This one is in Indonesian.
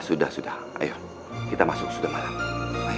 sudah sudah ayo kita masuk sudah malam